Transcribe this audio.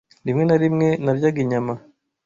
rimwe na rimwe naryaga inyama,